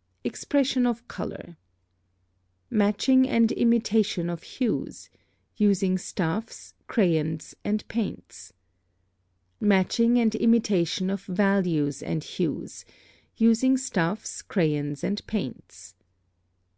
_ +EXPRESSION of color.+ (49) Matching and imitation of hues (using stuffs, crayons, and paints). Matching and imitation of values and hues (using stuffs, crayons, and paints).